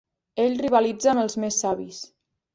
Ell rivalitza amb els més savis.